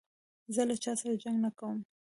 زه له چا سره جنګ نه کوم.